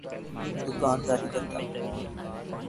دوکانداری کرتا ہوں۔